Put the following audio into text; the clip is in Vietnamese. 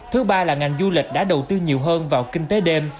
thứ ba là ngành du lịch đã đầu tư nhiều hơn vào kinh tế đêm